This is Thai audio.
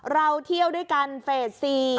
เราเที่ยวด้วยกันเฟส๔